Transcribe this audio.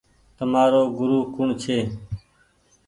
تمآرو گورو ڪوڻ ڇي۔